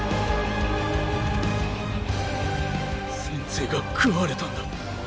戦鎚が食われたんだ。